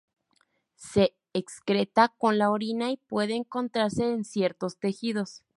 Se excreta con la orina y puede encontrarse en ciertos tejidos.